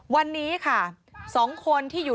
วันนี้ค่ะ๒คนที่อยู่